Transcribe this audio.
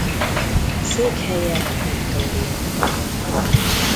Székhelye Victoria.